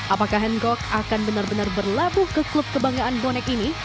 apakah hangok akan benar benar berlabuh ke klub kebanggaan bonek ini